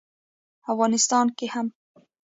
افغانستان کې هم